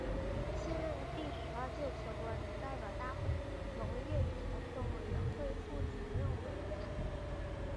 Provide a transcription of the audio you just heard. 现任第十二届全国人民代表大会农业与农村委员会副主任委员。